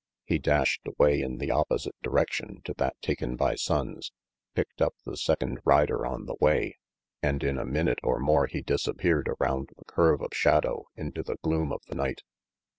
He dashed away in the opposite direction to that taken by Sonnes, picked up the second rider on the way, and in a minute or more he disappeared around the curve of shadow into the gloom of the night.